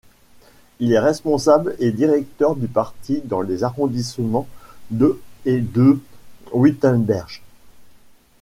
Il est responsable et directeur du parti dans les arrondissements de et de Wittenberge.